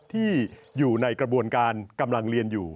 ที่อยู่ในกระบวนการกำลังเรียนอยู่